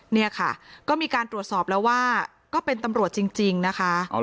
เนี่ยค่ะก็มีการตรวจสอบแล้วว่าก็เป็นตำรวจจริงนะคะ